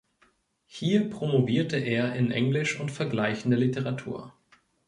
Hier promovierte er in Englisch und vergleichender Literatur.